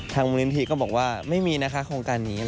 มูลนิธิก็บอกว่าไม่มีนะคะโครงการนี้